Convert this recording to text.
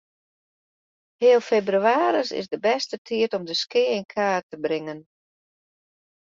Heal febrewaris is de bêste tiid om de skea yn kaart te bringen.